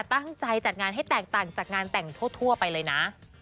ตั้งใจจัดงานให้แตกต่างจากงานแต่งทั่วไปเลยนะ